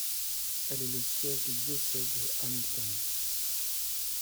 Elle est le siège du diocèse de Hamilton.